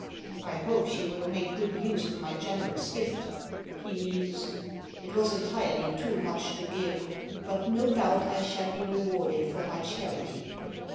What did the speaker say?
"I hope she will make good use of my generous gift," he mused. "It was entirely too much to give, but no doubt I shall be rewarded for my charity."